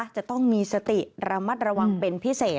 จะต้องมีสติระมัดระวังเป็นพิเศษ